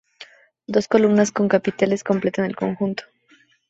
Dos columnas con capiteles completan el conjunto.